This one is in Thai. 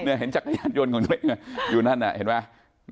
เห็นจักรยานยนต์ของตัวเองอยู่นั่นน่ะเห็นไหม